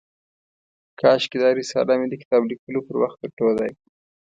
کاشکي دا رساله مې د کتاب لیکلو پر وخت درلودای.